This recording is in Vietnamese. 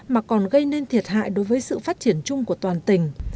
mà còn gây nên thiệt hại đối với sự phát triển chung của toàn tỉnh